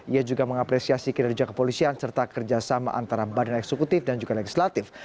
ia juga mengapresiasi kinerja kepolisian serta kerjasama antara badan eksekutif dan juga legislatif